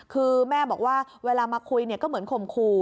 คือแม่บอกว่าเวลามาคุยก็เหมือนข่มขู่